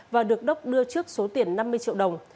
và được đốc đưa trước số tiền năm mươi triệu đồng